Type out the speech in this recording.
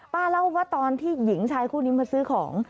ป้าเล่าว่าตอนที่หญิงชายคู่นี้มาซื้อของ